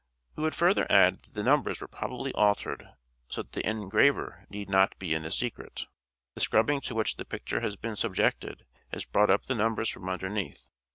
We would further add that the numbers were probably altered so that the engraver need not be in the secret. The scrubbing to which the picture has been subjected has brought up the numbers from underneath.